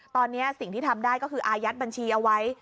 ตอนนี้สิ่งที่ทำได้ก็คืออายัดบัญชีเอาไว้